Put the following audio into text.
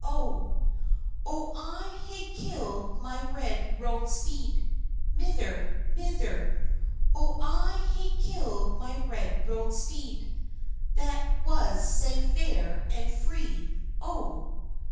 "O I hae killed my red roan steed, Mither, mither; O I hae killed my red roan steed, That was sae fair and free, O."